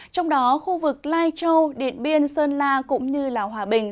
trong đó khu vực lai châu điện biên sơn la cũng như hòa bình